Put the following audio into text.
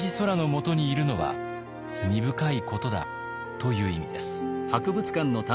という意味です。